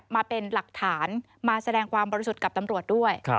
มาเป็นหลักฐานมาแสดงความบริสุทธิ์กับตำรวจด้วย